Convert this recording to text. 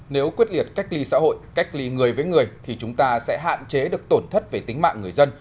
nếu quyết liệt cách ly xã hội cách ly người với người thì chúng ta sẽ hạn chế được tổn thất về tính mạng người dân